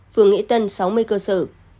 phường nghệ tân sáu mươi cơ sở